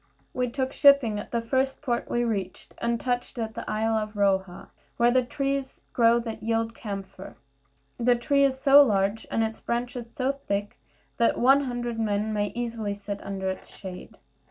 We took shipping at the first port we reached, and touched at the isle of Roha, where the trees grow that yield camphire. This tree is so large, and its branches so thick, that one hundred men may easily sit under its shade.